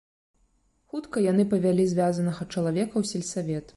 Хутка яны павялі звязанага чалавека ў сельсавет.